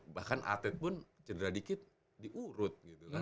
bahkan atlet pun cedera dikit diurut gitu kan